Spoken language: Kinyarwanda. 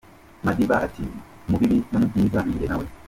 Madiba ati "Mubibi no mu byiza ni njye nawe.